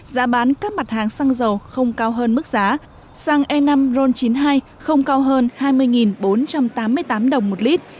giá bán các mặt hàng xăng dầu không cao hơn mức giá xăng e năm ron chín mươi hai không cao hơn hai mươi bốn trăm tám mươi tám đồng một lít